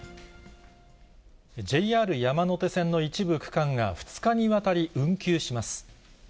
ＪＲ山手線の一部区間が、２日にわたり運休します。